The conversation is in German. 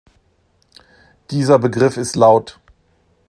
Dieser Begriff ist lt.